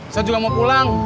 saya juga mau pulang